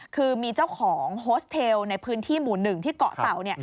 คือมีเจ้าของโฮสเทลในพื้นที่หมู่๑ที่เกาะเต่า